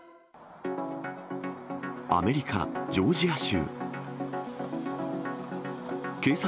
アメリカ・ジョージア州。